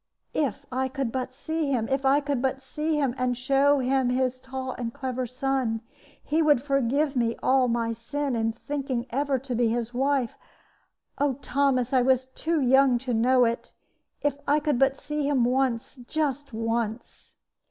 'If I could but see him, if I could but see him, and show him his tall and clever son, he would forgive me all my sin in thinking ever to be his wife. Oh, Thomas! I was too young to know it. If I could but see him once, just once!'